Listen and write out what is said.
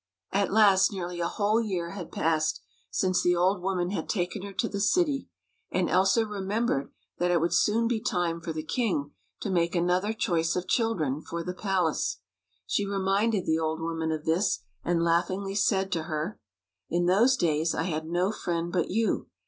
At last nearly a whole year had passed since the old woman had taken her to the city, and Elsa remem bered that it would soon be time for the king to make another choice of children for the palace. She reminded the old woman of this, and laughingly said to her: " In those days I had no friend but you.